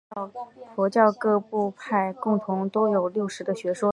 佛教各部派共同都有六识的学说。